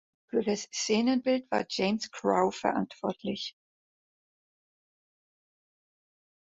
Für das Szenenbild war James Crowe verantwortlich.